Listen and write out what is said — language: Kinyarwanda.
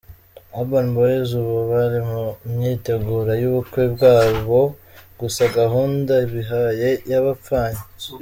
Urban Boys ubu bari mu myiteguro y'ubukwe bwabo gusa gahunda bihaye yabapfanye.